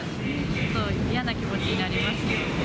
ちょっと嫌な気持ちになりますよね。